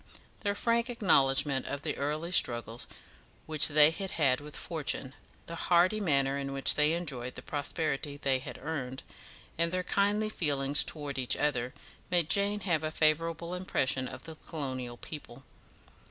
Their frank acknowledgment of the early struggles which they had had with fortune, the hearty manner in which they enjoyed the prosperity they had earned, and their kindly feeling towards each other, made Jane have a favourable impression of colonial people.